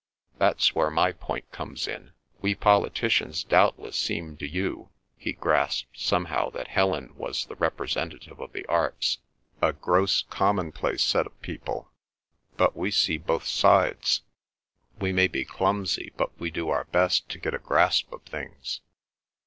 That's where my point comes in. We politicians doubtless seem to you" (he grasped somehow that Helen was the representative of the arts) "a gross commonplace set of people; but we see both sides; we may be clumsy, but we do our best to get a grasp of things.